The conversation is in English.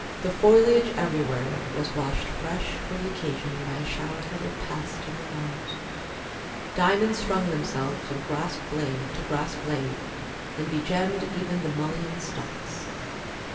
The foliage everywhere was washed fresh for the occasion by a shower that had passed in the night. Diamonds strung themselves from grass blade to grass blade, and begemmed even the mullein stalks.